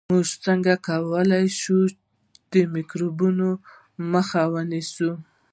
موږ څنګه کولای شو د میکروبونو مخه ونیسو